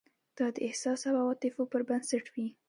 دا د احساس او عواطفو پر بنسټ وي.